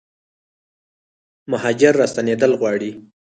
مهاجر راستنیدل غواړي